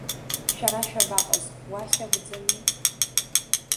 Шәара шәабаҟаз, уахь акәӡамзи?